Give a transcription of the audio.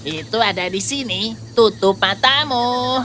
itu ada di sini tutup matamu